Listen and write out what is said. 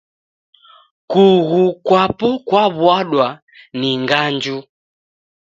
Kughu kwapo kwaw'uadwa ni nganju